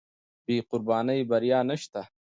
بې قربانۍ بریا نشته.